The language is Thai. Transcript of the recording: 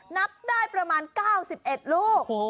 นับได้ประมาณ๙๑ลูก